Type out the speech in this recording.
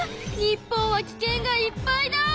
日本はき険がいっぱいだ！